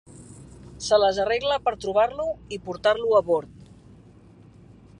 Se les arregla per trobar-lo i portar-lo a bord.